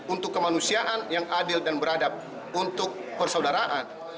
untuk kemanusiaan yang adil dan beradab untuk persaudaraan